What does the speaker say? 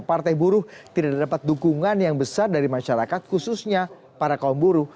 partai buruh tidak dapat dukungan yang besar dari masyarakat khususnya para kaum buruh